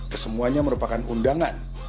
kesemuanya merupakan undangan